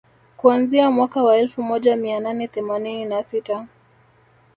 Kuanzia mwaka wa elfu moja mia nane themanini na sita